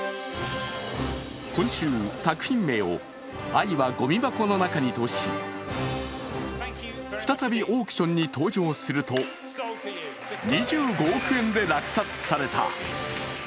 今週、作品名を「愛はごみ箱の中に」とし、再びオークションに登場すると、２５億円で落札された。